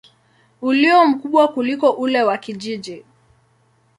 ulio mkubwa kuliko ule wa kijiji.